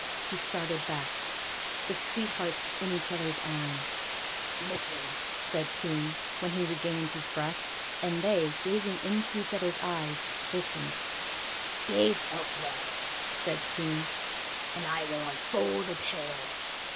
He started back. The sweethearts were in each other's arms. "Listen," said Tomb, when he regained his breath; and they, gazing into each other's eyes, listened. "Gaze elsewhere," said Tomb, "and I will unfold a tale."